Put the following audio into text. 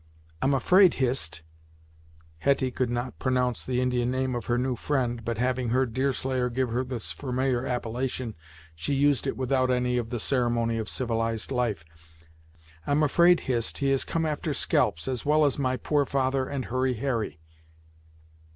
I'm afraid, Hist " Hetty could not pronounce the Indian name of her new friend, but having heard Deerslayer give her this familiar appellation, she used it without any of the ceremony of civilized life "I'm afraid Hist, he has come after scalps, as well as my poor father and Hurry Harry."